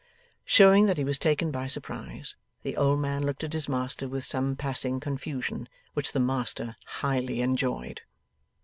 Showing that he was taken by surprise, the old man looked at his master with some passing confusion, which the master highly enjoyed.